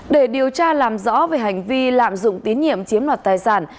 để điều tra làm rõ về hành vi lạm dụng tín nhiệm chiếm đoạt tài sản